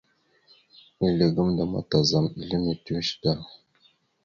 Ezle gamənda ma tazam ele mitəweshe da.